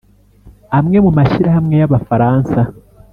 amwe mu mashyirahamwe y'abafaransa